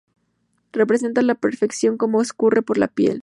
Representa a la perfección cómo escurre por la piel.